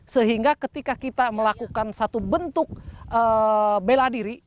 sehingga ketika kita melakukan satu bentuk bela diri